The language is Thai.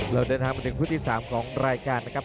เราเดินทางมาถึงคู่ที่๓ของรายการนะครับ